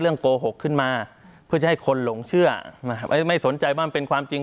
โกหกขึ้นมาเพื่อจะให้คนหลงเชื่อไม่สนใจว่ามันเป็นความจริง